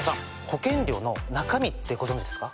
保険料の中身ってご存じですか？